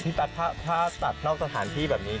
ปกติพี่ตั๊กถ้าตัดนอกสถานที่แบบนี้